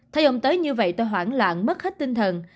thay ông tới như vậy tôi hoảng loạn mất hết tinh thần